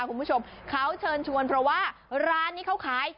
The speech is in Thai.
คุณผู้ชมเขาเชิญชวนเพราะว่าร้านนี้เขาขาย